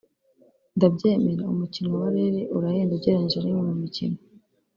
“Ndabyemera umukino wa Rally urahenda ugereranyije n’imwe mu mikino